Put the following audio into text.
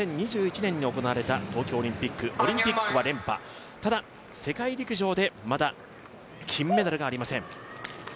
２０１６、２０２１年に行われたオリンピックは連覇、ただ世界陸上でまだ金メダルはありません。